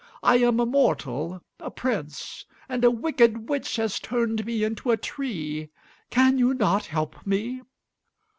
I am a mortal, a prince, and a wicked witch has turned me into a tree. Can you not help me?"